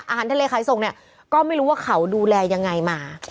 อาหารทะเลขายส่งเนี่ยก็ไม่รู้ว่าเขาดูแลยังไงมา